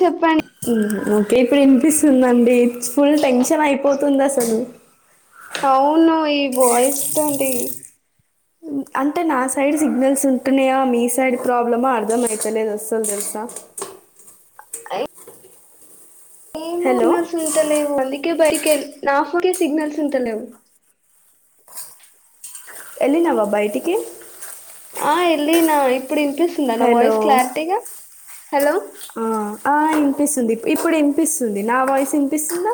చెప్పండి ఓకే ఇప్పుడు నిపిస్తుందండి ఫుల్ టెన్షన్ అయిపోతుంది అసలు బోయస్ష్టాడి అంటే నా సైడ్ సిగ్నల్స్ ఉంటున్నాయా మీ సైడ్ ప్రాబ్లమా అర్ధం అయితలేదు అస్సలు తెలుసా అ ఏమ హలో సిగ్నల్స్ ఉంటలేవు అందుకే బై ఫోన్ కి సిగ్నల్స్ ఉంటలేవు ఎలినావా బయటకి ఆ వెళ్ళ నా ఇప్పుడు వినిపిస్తుందా నా హలో వాయిస్ క్లారిటీగా హలో ఆ ఆ వినిపిస్తుంది ఇప్పుడు వినిపిస్తుంది నా వాయిస్ వినిపిస్తుందా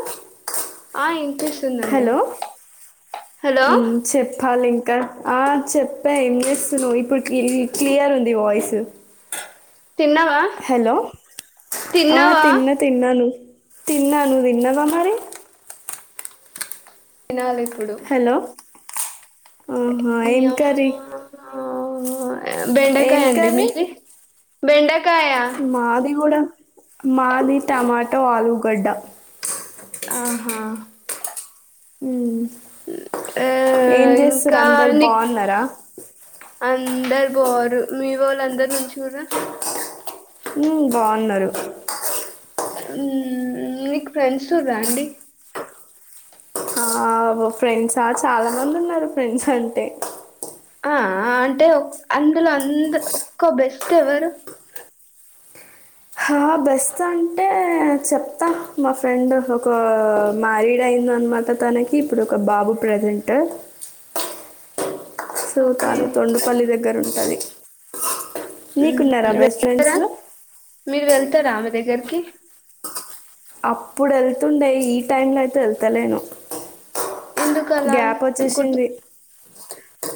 ఆ వినిపిస్తుందండి హలో హలో చెప్పాలి ఇం ఆ చెప్పా ఏం చేస్తును్ ఇప్పుడు క్లి క్లియర్ ఉంది వాయిస్ తిన్నావా హలో ఆ తిన్నావా తిన్న తిన్నాను తిన్నా నువ్వు తిన్నవ మరి తినాలి ఇప్పుడు హలో ఆహా మీ ఏం కారీ అమ్మ బెండకాయ అండి మీది బెండకాయ మాది కూడా మాది టమాటో ఆలూగడ్డ ఆహా ఆ ఏం చేస్తారు ఇంకా అందరు నీకు బాగున్నారా అందరు బారు మీ వాళ్ళు అందరు మంచి కుట్ర ఉ బాగున్నారు నీకు ఫ్రెండ్స్ ఉండ్రా అండి ఆ ఫ్రెండ్సా చాలా మంది ఉన్నారు ఫ్రెండ్స్ అంటే ఆ అంటే అందులో అంద ఒక్కో బెస్ట్ ఎవరు హా బెస్ట్ అంటే చెప్తా మా ఫ్రెండ్ ఒక మ్యారీడ్ అయింది అనమాట తనకి ఇప్పుడు ఒక బాబు ప్రెజెంట్ సో ఓకే తాను తొండుపల్లి దగ్గర ఉంటది మ్మ్. నీకున్నారా బెస్ట్ ఫ్రెండ్స్ ఇద్ద రామదగకి అప్పుడు వెళ్తుండే ఈ టైమ్ తో అయితే వెళ్తాలేను ఎందుకు అలా గ్యాప్ గుర్తు వచ్చేసింది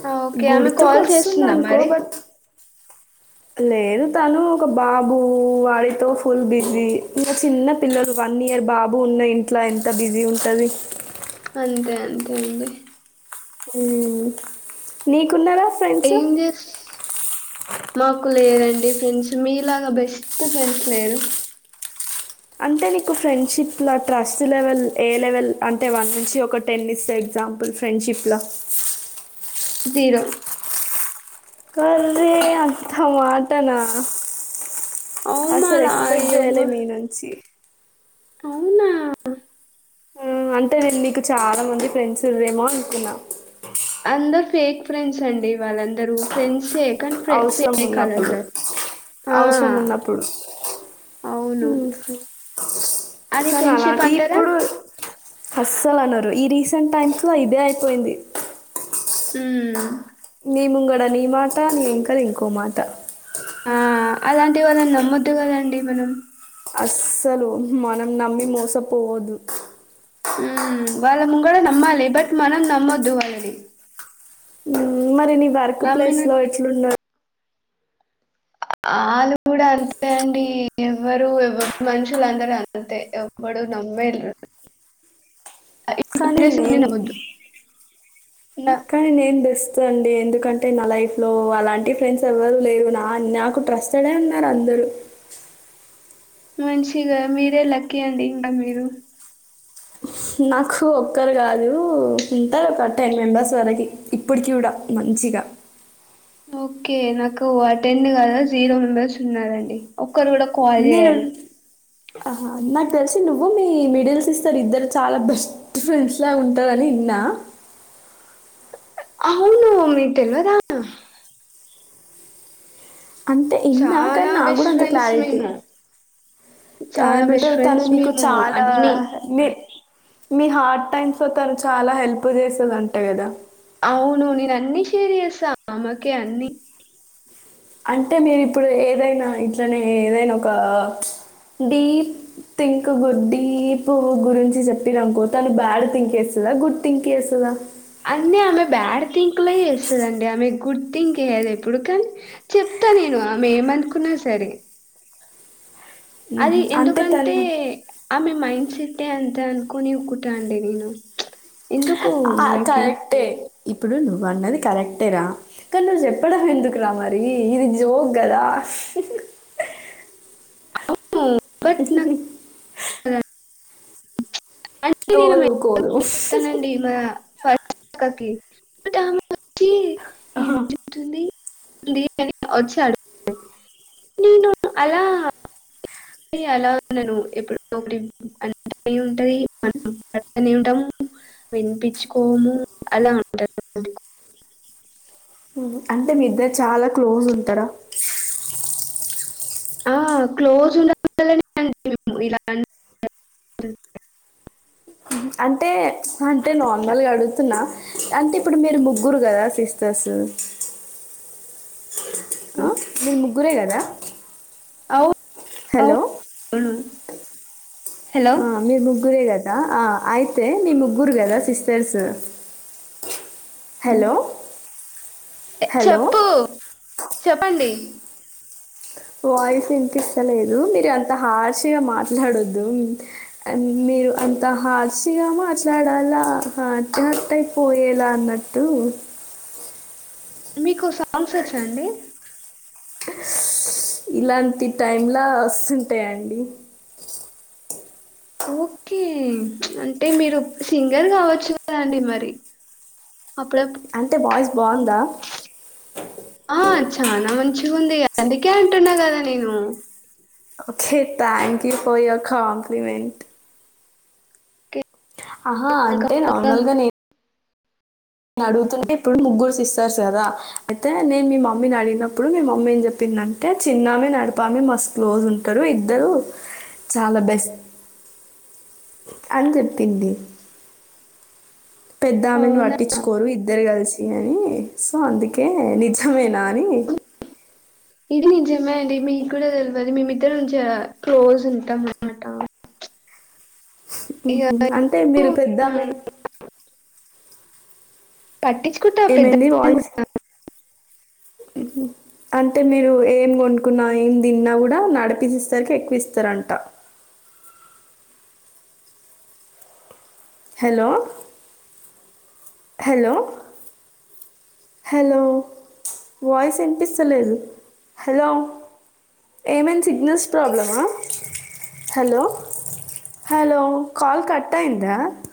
ఆ, ఓకే ఆమె గుర్తుకు కాల్ వస్తుంది చేస్తుందా అనుకో మరి బట్ లేదు తను ఒక బాబు వాడితో ఫుల్ బిజీ ఇంకా చిన్న పిల్లలు ప వన్ ఇయర్ బాబు ఉన్న ఇంట్లో ఎంత బిజీ ఉంటుంది అంతే అంతే అండి నీకున్నారా ఫ్రెండ్స్ ఏం చే మాకు లేదండి ఫ్రెండ్స్ మీలాగా బెస్ట్ ఫ్రెండ్స్ లేరూ అంటే నీకు ఫ్రెండ్షిప్ల ట్రస్ట్ లెవెల్ ఏ లెవెల్ అంటే వన్ నుంచి ఒక టెన్నిస్ స ఎగ్జాంపల్ ఫ్రెండ్షిప్లో జీరో అరే అంతమాటనా అవునా అసలు అలా ఎక్స్పెక్ట్ చేయాల ఎవ్వరు మీ నుంచి అవునా అంటే నేను నీకు చాలా మంది ఫ్రెండ్స్ ఉరేమో అనుకున్నా అందరు ఫేక్ ఫ్రెండ్స్ అండి వాళ్ళందరు ఫ్రెండ్స్ అవసరం ఉన్నప్పుడు ఆ అవసరం ఉన్నప్పుడు అవును అది కానీ అలాగ ఫ్రెండ్షిప్ అంటారా ఇప్పుడు అస్సలు అన్నారురు ఈ రీసెంట్ టైమ్స్ లో ఇదే అయిపోయింది ఉ నీముంగడ నీ మాట నీ ఇంకాడ ఇంకో మాట ఆ అలాంటి వాళ్ళని నమ్మొద్దు గదండి మనం అస్సలు మనం నమ్మి మోసపోవద్దు ఊమ్మ్ వాళ్ళ ముంగూడ నమ్మాలి బట్ మనం నమ్మొద్దు వాళ్ళని ఉమ్, మరి నీ వర్క్ నమ్మిన ప్లేస్ లొఎట్లున్నార్ అ--ఆళ్ళు గూడ అంతె అండి య ఎవ్వరు ఎవ్ ఎవ్ మనుషులు అందరు అంతె యెవ్వడు నమ్మే ల్రు ఆ ఇప్ కానీ ఏసిప్రబు నమ్మొద్దు [inaudible] నా- కాని నేన్ బెస్ట్ అంతె అండి ఎందుకంటె న లైఫ్ లో అలాంటి ఫ్రెండ్స్ ఎవ్వరు లేరు నా నాకు ట్రస్టడె ఉన్నారు అందరు ఎప్ డు మంచిగ మీరె లక్కి అండి ఇంక మీరు నాఖ ఒక్కరు గాదూ ఉంటర్ అ టెన్ మెంబెర్స్ వరకి ఇప్పటికి కూడా మన మంచిగ ఓకె నాకు అటెన్ కద జీరొ మెంబర్స్ ఉన్నారండి ఒక్కరు గూడ కాల్ హర్యా ఆహ నాక్ తెల్ సి నువ్వు మీ మిడిల్ సిస్టరు ఇద్దరు చాల భెస్ట్ ఫ్రెండ్స్ ల ఉంటారని తిన్నా అవును మీకు తెలవదా అంతె ఇన్న చానా కన్స నాక్కూడా బెస్ట్ అంత ఫ్రెండ్స్ క్యారెట్ మేము ఆ చాలా నుతు బెస్ట్ తను ఫ్రెండ్స్ నీకు మేము చాలా అన్ని నె మీ హార్ట్ టైమ్స్ లొ తను చాల హెల్ప్ చేసెదంట గద అవును నేను అన్ని షేర్ జేస్త అమ్మకి అన్ని అంటె మీరు ఇప్పుడు యేదైన ఇట్లనే యేదైన ఒక డీప్ థింక్ గుడ్డీపు గురించి జెప్పినాం కొతను బ్యాడ్ థింక్ యేస్తద గుడ్ థింక్ యేస్తద అన్ని ఆమె బ్యాడ్ థింక్ లొ యేస్తదండి ఆమె గుడ్ థింక్ ఏయదు ఎప్పుడు కాని చెప్ అంతె నేను ఆమె యేమనుకున్న సరె మ్మ్. అది అంటే తను ఎందుకంటే ఆమె మైండ్ సెట్ఎ అంత అన్ కొని కుట్ట అండి నేను ఎందుకు ఆ మనకి కరెక్టే ఇప్పుడు నువ్వు అన్నది కరెక్టెర కాన్ నువ్వు జెప్పడం ఎందుకు రా మరి ఇది జోక్ గద స్ హు హు హెహ్ అవును అహ్ బట్ ఉహు ఉహు నాకు హెహ్. [inaudible] కోరు అక్కకి డ్యాము వచ్చి యేమ్ జరుగుతుంది ఉంది అని వచ్చి [inaudible] అడుగు తాడు నేను అలా- ఈ అలా నన్ను ఎప్పుడుడొ ఒకటి అంత్ త పెయిన్ ఉంటది మనం పక్కనె ఉంటాము విన్ పించ్ కోము అల ఉంటది అందుకు ఉహు అంటే మీ ఇద్దరు చాలా క్లోజ్ ఉంటారా ఆ క్లోజు ఉండలనె మేము ఇల అన్ అంటె [inaudible] అంటే అంటే నార్మల్ గా అడుగుతున్న అంటే ఇప్పుడు మీరు ముగ్గురు కదా సిస్టర్స్ ఆ మీర్ ముగ్గురె గద? అవు హలో హలో ఆ మీర్ ముగ్గురె గద్ దా ఆ అయితే, మీ ముగ్గురు గద సిస్టర్సు. హలో ఎ హలో చెప్పు చెప్పండి. వాయిస్ ఇన్పిస్తలేదు. మీరు అంత హార్షగ మాట్లాడొద్దు, ఉమ్ అన్ మీ మీరు అంత హార్షిగ మాట్లాడలా, హర్ట్ హట్ అయిపొయేల అన్నట్టు. వామ్మొ మీకు సాంగ్స్ వచ్చా అండి? ఇలాంటి టైంలా వస్తుంటాయంండి. ఓకే అంటే మీరు సింగర్ గావచ్చు కదండి. మరి అప్పుడప్ అంటే వాయిస్ బావుందా? ఆ చానా మంచిగుందిగా, అందుకే అంటున్నా కదా నేను. Okay thank you for your compliment. ఆహా అంటే కేవలం. నార్మల్గా నేన్ నా అడుగుతుంటే ఇప్పుడు ముగ్గురు సిస్టర్స్ గదా. అయితే నేను మీ మమ్మీని అడిగినప్పుడు, మీ మమ్మీ ఏం చెప్పింద్ దాంటే చిన్నమ, నడిపామే మస్త్ క్లోజ్ ఉంటారు. ఇద్దరు చాలా బెస్ట్ అని చెప్పింది. పెద్దామెను అవునా పట్టించుకోరు, ఇద్దరు కలిసి అని సో అందుకే, ఆ, నిజమేనా అని? ఇది నిజమే అండి. మీకు కూడా తెల్వాది, మేమిద్దరం, జ క్లోజ్ ఉంటాం అనమాట. ఉహ్ హు అంటే మీరు పెద్దామే పట్టించుకుంటా ఏమైంది పెద్ద వాయిస్ అంటే మీరు ఏం కొనుక్కున్నా, ఏం తిన్నా, కూడా నడిపి సిస్టర్కే ఎక్కువ ఇస్తారంట. హలో హలో హలో ప్చ్ వాయిస్ ఇన్పిస్తలేదు? హలో! ఏమైన్ సిగ్నల్స్ ప్రాబ్లమా? హలో! Hello call కట్టాయిందా?